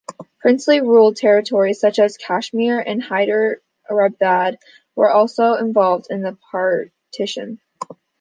Princely-ruled territories, such as Kashmir and Hyderabad, were also involved in the Partition.